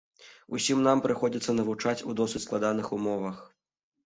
Усім нам прыходзіцца навучаць у досыць складаных умовах.